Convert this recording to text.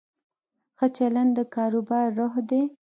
ښه چلند د کاروبار روح دی.